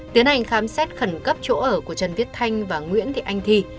tiến hành khám xét khẩn cấp chỗ ở của trần viết thanh và nguyễn thị anh thi